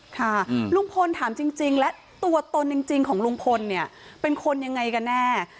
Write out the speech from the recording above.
ค่ะลุงพลถามจริงและตัวตนจริงของลุงพลเนี่ยเป็นคนยังไงกันแน่